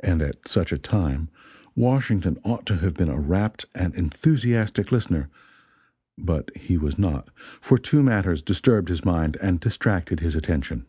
And at such a time Washington ought to have been a rapt and enthusiastic listener, but he was not, for two matters disturbed his mind and distracted his attention.